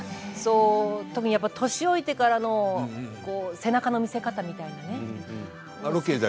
特に年老いてからの、背中の見せ方みたいなね。